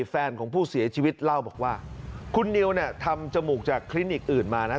แฟนของผู้เสียชีวิตเล่าบอกว่าคุณนิวเนี่ยทำจมูกจากคลินิกอื่นมานะ